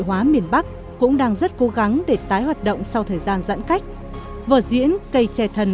hóa miền bắc cũng đang rất cố gắng để tái hoạt động sau thời gian giãn cách vợ diễn cây trẻ thần